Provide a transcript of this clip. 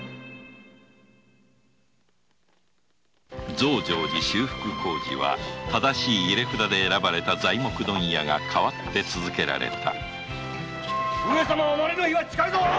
増上寺修復工事は正しい入れ札で選ばれた材木問屋の手によって続けられた上様のお成りの日は近いぜ。